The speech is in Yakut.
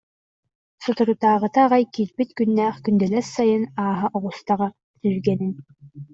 Соторутааҕыта аҕай киирбэт күннээх күндэлэс сайын ааһа оҕустаҕа түргэнин